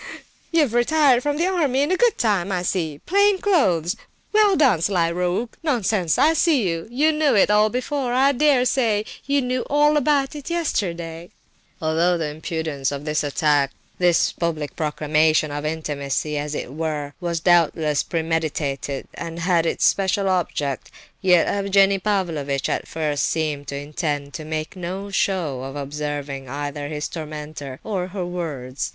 You've retired from the army in good time, I see! Plain clothes! Well done, sly rogue! Nonsense! I see—you knew it all before—I dare say you knew all about it yesterday " Although the impudence of this attack, this public proclamation of intimacy, as it were, was doubtless premeditated, and had its special object, yet Evgenie Pavlovitch at first seemed to intend to make no show of observing either his tormentor or her words.